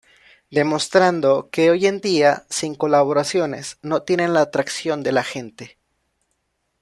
Demostrando que hoy en día sin colaboraciones, no tienen la atracción de la gente.